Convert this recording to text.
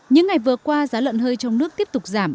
những ngày vừa qua giá lợn hơi trong nước tiếp tục giảm